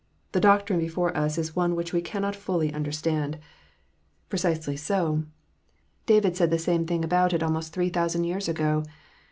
The doctrine before us is one which we cannot fully understand. 192 KNOTS UNTIED. Precisely so. David said the same thing about it almost three thousand years ago.